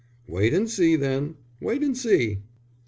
"Wait and see, then. Wait and see."